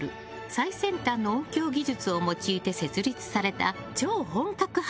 最先端の音響技術を用いて設立された超本格派